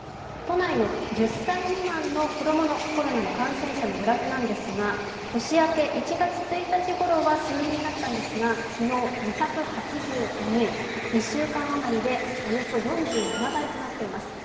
都内の１０歳未満の子どものコロナの感染者のグラフなんですが、年明け１月１日ごろは数人だったんですが昨日２８５人、１週間あまりでおよそ４７倍となっています。